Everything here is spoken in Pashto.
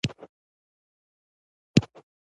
صداقت د زړه د پاکوالي ښکارندوی دی.